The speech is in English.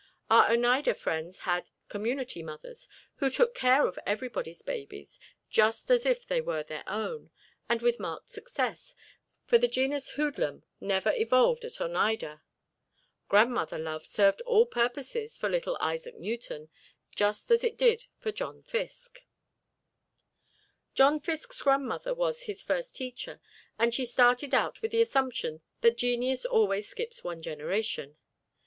Our Oneida friends had "Community Mothers," who took care of everybody's babies, just as if they were their own, and with marked success, for the genus hoodlum never evolved at Oneida. Grandmother love served all purposes for little Isaac Newton, just as it did for John Fiske. John Fiske's grandmother was his first teacher, and she started out with the assumption that genius always skips one generation.